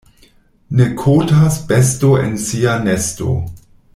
Ne kotas besto en sia nesto.